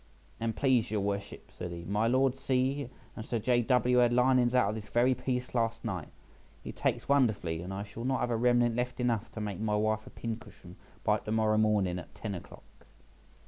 "An please your worships," said he, "my Lord C— and Sir J. W. had linings out of this very piece last night; it takes wonderfully, and I shall not have a remnant left enough to make my wife a pin cushion by to morrow morning at ten o'clock."